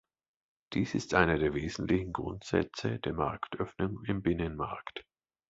Dies ist einer der wesentlichen Grundsätze der Marktöffnung im Binnenmarkt.